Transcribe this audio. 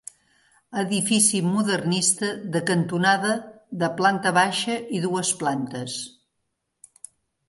Edifici modernista de cantonada de planta baixa i dues plantes.